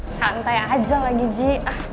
santai aja lagi ji